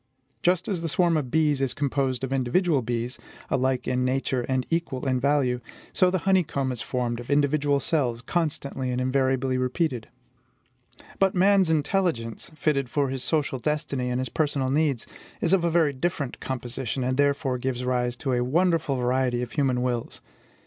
Just as the swarm of bees is composed of individual bees, alike in nature and equal in value, so the honeycomb is formed of individual cells, constantly and invariably repeated. But man's intelligence, fitted for his social destiny and his personal needs, is of a very different composition, and therefore gives rise to a wonderful variety of human wills.